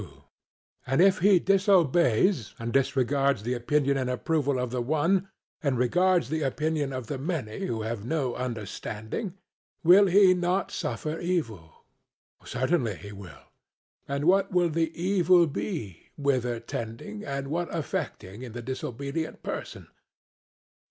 SOCRATES: And if he disobeys and disregards the opinion and approval of the one, and regards the opinion of the many who have no understanding, will he not suffer evil? CRITO: Certainly he will. SOCRATES: And what will the evil be, whither tending and what affecting, in the disobedient person?